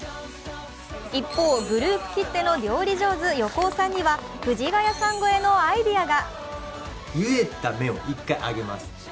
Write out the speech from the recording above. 一方、グループきっての料理上手、横尾さんには藤ヶ谷さん超えのアイデアが。